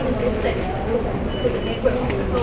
พวกมันจัดสินค้าที่๑๙นาที